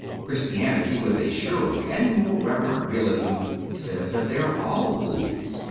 Christianity, with a surer and more reverent realism, says that they are all fools.